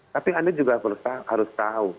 tapi anda juga harus tahu